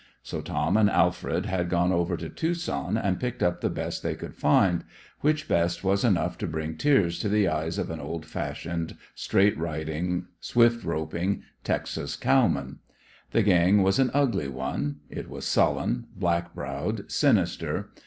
So Tom and Alfred had gone over to Tucson and picked up the best they could find, which best was enough to bring tears to the eyes of an old fashioned, straight riding, swift roping Texas cowman. The gang was an ugly one: it was sullen, black browed, sinister.